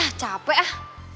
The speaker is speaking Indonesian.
hah capek ah